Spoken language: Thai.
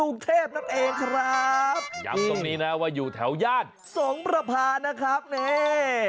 นั่นเองครับยังตรงนี้นะว่าอยู่แถวญาติสงประพานะครับเนี่ย